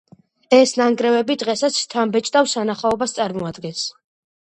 ეს ნანგრევები დღესაც შთამბეჭდავ სანახაობას წარმოადგენს.